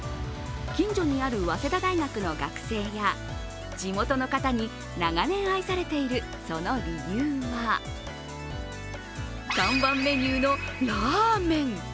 近所にある早稲田大学の学生や地元の方に長年愛されているその理由は看板メニューのラーメン。